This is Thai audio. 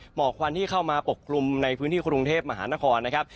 หมอกควันที่เข้ามาปกคลุมในพื้นที่กรุงเทพมหานครนะครับ